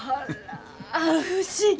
あら不思議。